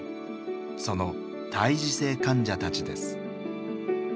その胎児性患者たちです。